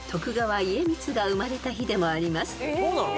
そうなの！？